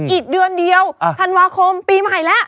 อีกเดือนเดียวธันวาคมปีใหม่แล้ว